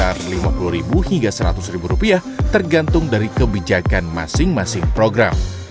rp sepuluh hingga rp seratus tergantung dari kebijakan masing masing program